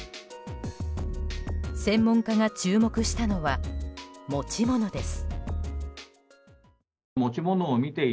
専門家が注目したのは持ち物です。